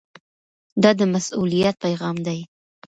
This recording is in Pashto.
دا د مسؤلیت پیغام دی.